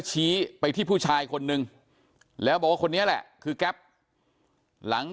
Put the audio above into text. ชี้ไปที่ผู้ชายคนนึงแล้วบอกว่าคนนี้แหละคือแก๊ปหลัง